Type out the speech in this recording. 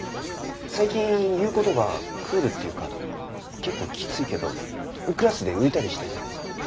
最近言う事がクールっていうか結構きついけどクラスで浮いたりしてないのか？